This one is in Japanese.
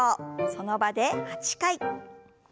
その場で８回。